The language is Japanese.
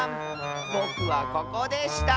ぼくはここでした！